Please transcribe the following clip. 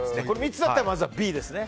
３つだったらまずはＢですね。